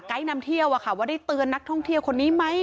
นำเที่ยวว่าได้เตือนนักท่องเที่ยวคนนี้ไหม